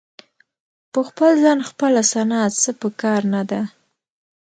په خپل ځان خپله ثنا څه په کار نه ده.